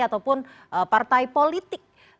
ataupun partai politik